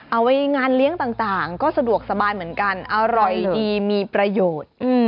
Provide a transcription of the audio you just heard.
เอาไว้งานเลี้ยงต่างก็สะดวกสบายเหมือนกันอร่อยดีมีประโยชน์